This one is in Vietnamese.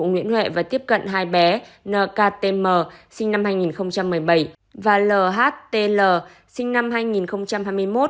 nhuệ và tiếp cận hai bé nktm sinh năm hai nghìn một mươi bảy và lhtl sinh năm hai nghìn hai mươi một